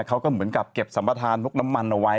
เขาก็เหมือนกับเก็บสัมประธานพวกน้ำมันเอาไว้